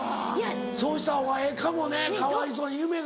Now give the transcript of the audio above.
そうしたほうがええかもねかわいそうに夢が。